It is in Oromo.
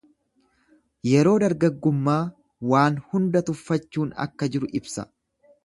Yeroo dargaggummaa waan hunda tuffachuun akka jiru ibsa.